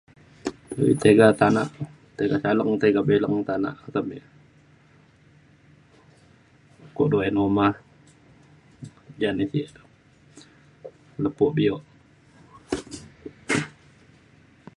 tiga tanak tiga saleng tiga bileng tanak kata me. ku du uyan umah ja ni sek lepo bio.